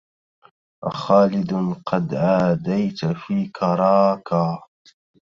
أخالد قد عاديت في كراكا